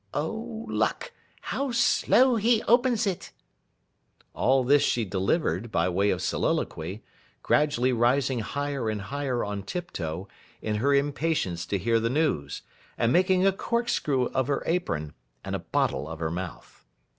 Oh Luck, how slow he opens it!' All this she delivered, by way of soliloquy, gradually rising higher and higher on tiptoe, in her impatience to hear the news, and making a corkscrew of her apron, and a bottle of her mouth.